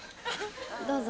どうぞ。